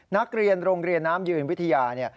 นักเรียนโรงเรียนน้ำยืนวิทยาเนี่ย